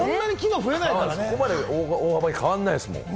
そこまで大幅に変わらないですもん。